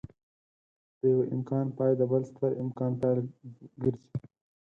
د يوه امکان پای د بل ستر امکان پيل ګرځي.